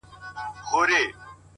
چاته يې لمنه كي څـه رانــه وړل؛